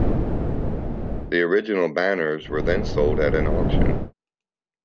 The original banners were then sold at an auction.